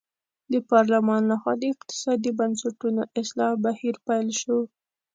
د پارلمان له خوا د اقتصادي بنسټونو اصلاح بهیر پیل شو.